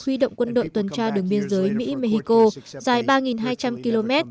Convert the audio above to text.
huy động quân đội tuần tra đường biên giới mỹ mexico dài ba hai trăm linh km